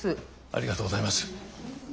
ありがとうございます。